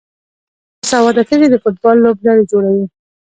باسواده ښځې د فوټبال لوبډلې جوړوي.